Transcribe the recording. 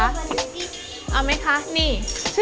เอาไหมคะนี่